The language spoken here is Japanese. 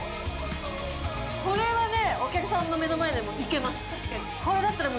これはねお客さんの目の前でもいけます